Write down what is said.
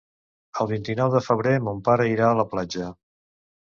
El vint-i-nou de febrer mon pare irà a la platja.